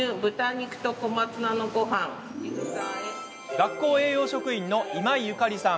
学校栄養職員の今井ゆかりさん。